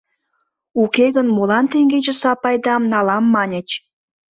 Уке гын молан теҥгече Сапайдам налам маньыч?